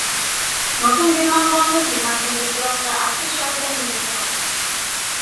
নতুন বিমানবন্দরটি মার্কিন যুক্তরাষ্ট্রের আর্থিক সহায়তায় নির্মিত হবে।